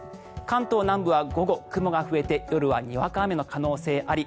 関東南部は午後、雲が増えて夜はにわか雨の可能性あり。